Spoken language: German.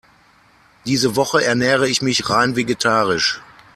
Diese Woche ernähre ich mich rein vegetarisch.